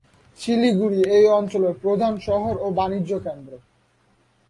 শিলিগুড়ি এই অঞ্চলের প্রধান শহর ও বাণিজ্য কেন্দ্র।